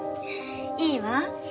いいわ。